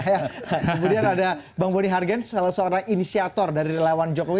kemudian ada bang boni hargen salah seorang inisiator dari relawan jokowi